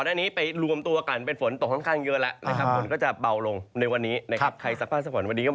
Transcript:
เดี๋ยวต้องต้อนควายเข้าบ้านเข้าเร็ว